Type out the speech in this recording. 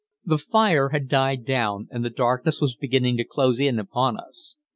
The fire had died down and the darkness was beginning to close in upon us.